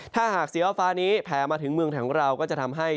ถ้าหากสีฟ้านี้แผลมาถึงเมืองของเราก็จะทำให้